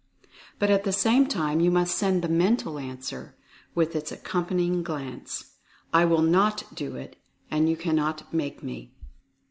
but at the same time you must send the mental answer, with its accompanying glance, "I WILL NOT do it, and you cannot make me."